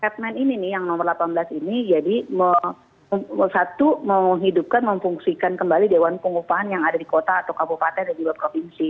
setmen ini nih yang nomor delapan belas ini jadi satu menghidupkan memfungsikan kembali dewan pengupahan yang ada di kota atau kabupaten dan juga provinsi